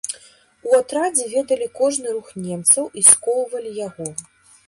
У атрадзе ведалі кожны рух немцаў і скоўвалі яго.